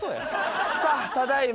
さあただいま